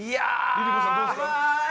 ＬｉＬｉＣｏさんどうですか？